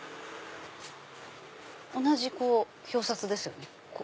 同じ表札ですよ。